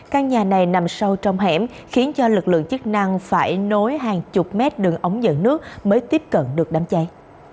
căn nhà này nằm sâu trong hẻm khiến cho lực lượng chức năng phải nối hàng chục mét đường ống dẫn nước mới tiếp cận được đám cháy